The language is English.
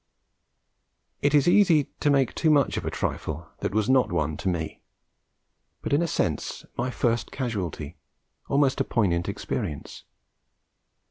It is easy to make too much of a trifle that was not one to me, but in a sense my first casualty, almost a poignant experience.